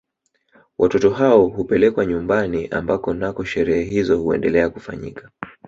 Watoto hao hupelekwa nyumbani ambako nako sherehe hizo huendelea kufanyika